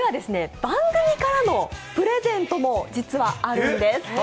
番組からのプレゼントも実はあるんです。